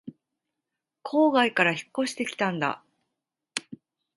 郊外から引っ越してきたんだ